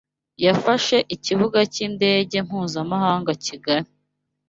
yafashe ikibuga cy’indege mpuzamahanga cy’i Kigali